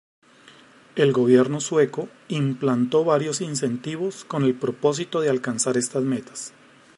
El gobierno sueco implantó varios incentivos con el propósito de alcanzar estas metas.